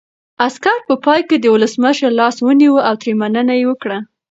عسکر په پای کې د ولسمشر لاس ونیو او ترې مننه یې وکړه.